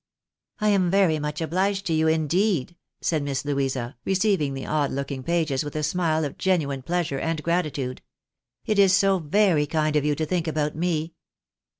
" I am very much obhged to you, indeed" said Miss Louisa, receiving the odd looking pages with a smile of genuine pleasure and gratitude. " It is so very kind of you to think about me